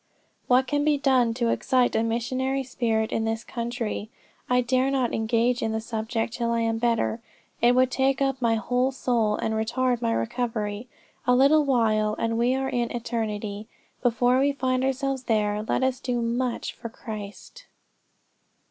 "What can be done to excite a missionary spirit in this country? I dare not engage in the subject till I am better. It would take up my whole soul, and retard my recovery. A little while, and we are in eternity; before we find ourselves there, let us do much for Christ."